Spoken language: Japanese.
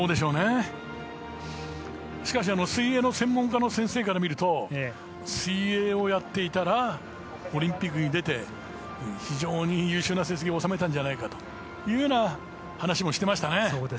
しかし水泳の専門家の先生から見ると水泳をやっていたらオリンピックに出て非常に優秀な成績を修めたんじゃないかという話もしていましたね。